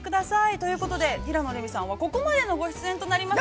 ということで、平野レミさんは、ここまでのご出演となります。